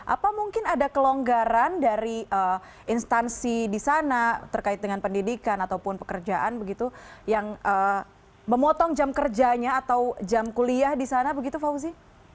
apa mungkin ada kelonggaran dari instansi di sana terkait dengan pendidikan ataupun pekerjaan begitu yang memotong jam kerjanya atau jam kuliah di sana begitu fauzi